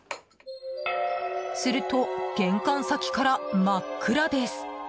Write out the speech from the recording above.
すると、玄関先から真っ暗です。